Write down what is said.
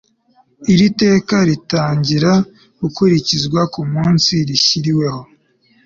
Iri teka ritangira gukurikizwa ku munsi rishyiriweho